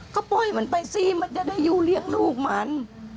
ก็ปล่อยมันไปสิมันจะได้อยู่เลี้ยงลูกมัน